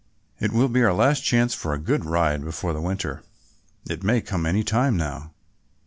"It will be our last chance of a good ride before the winter, it may come any time now."